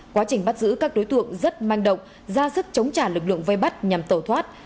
quá trình bắt giữ các đối tượng rất manh động ra sức chống trả lực lượng vây bắt nhằm tẩu thoát